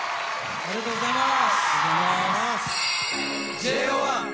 ありがとうございます。